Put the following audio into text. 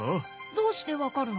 どうして分かるの？